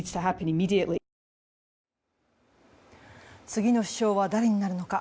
次の首相は誰になるのか。